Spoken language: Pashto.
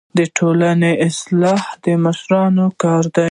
د ټولني اصلاحات د مشرانو کار دی.